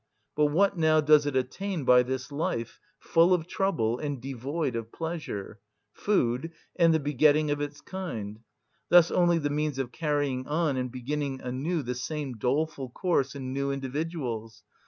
But what, now, does it attain by this life, full of trouble and devoid of pleasure? Food and the begetting of its kind; thus only the means of carrying on and beginning anew the same doleful course in new individuals.